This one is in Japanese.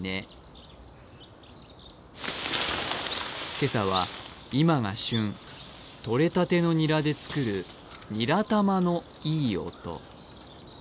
今朝は今が旬、とれたてのニラで作るニラ玉のいい音。